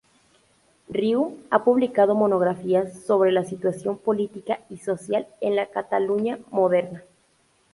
Riu ha publicado monografías sobre la situación política y social en la Cataluña moderna.